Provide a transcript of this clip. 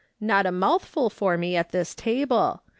" Not a mouthful for me at this table.